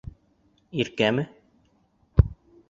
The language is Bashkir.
Иркәме?